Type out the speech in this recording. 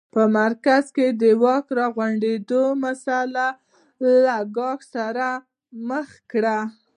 په مرکز کې د واک راغونډېدو مسٔله له ګواښ سره مخ کړه.